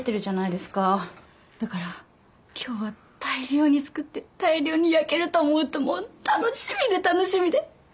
だから今日は大量に作って大量に焼けると思うと楽しみで楽しみで。